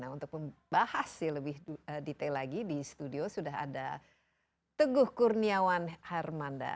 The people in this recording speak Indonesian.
nah untuk membahas lebih detail lagi di studio sudah ada teguh kurniawan hermanda